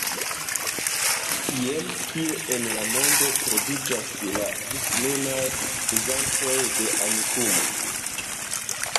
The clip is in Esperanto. Jen kie en la mondo troviĝas la ĝisnunaj uzantoj de Amikumu.